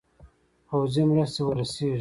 پوځي مرستي ورسیږي.